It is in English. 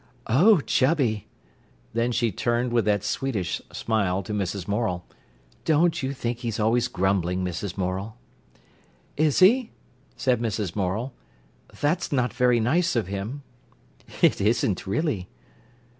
"Oh, Chubby!" Then she turned with that sweetish smile to Mrs. Morel. "Don't you think he's always grumbling, Mrs. Morel?" "Is he?" said Mrs. Morel. "That's not very nice of him." "It isn't, really!"